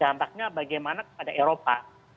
nah dampaknya bagaimana pada eropa